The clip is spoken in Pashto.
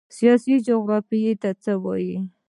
سیاسي جغرافیه څه ته وایي؟